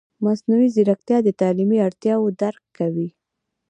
مصنوعي ځیرکتیا د تعلیمي اړتیاوو درک کوي.